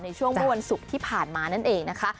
ในช่วงเมื่อวันศุกร์ที่ผ่านมานั่นเองนะคะ